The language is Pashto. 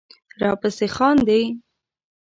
راپسې خاندې